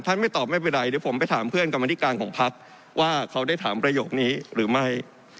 ไม่ตอบไม่เป็นไรเดี๋ยวผมไปถามเพื่อนกรรมธิการของพักว่าเขาได้ถามประโยคนี้หรือไม่